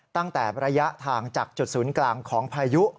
ตั้งแต่ระยะทางจากจุดศูนย์กลางของพายุ